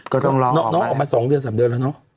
ก็ต้องรอน้องออกมา๒เดือน๓เดือนแล้วเนอะ